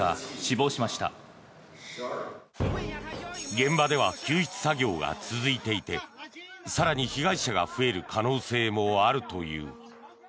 現場では救出作業が続いていて更に被害者が増える可能性もあるという。